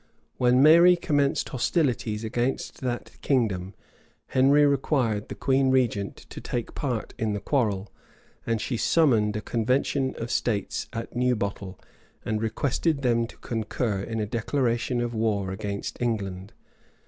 When Mary commenced hostilities against that kingdom, Henry required the queen regent to take part in the quarrel; and she summoned a convention of states at Newbottle, and requested them to concur in a declaration of war against England.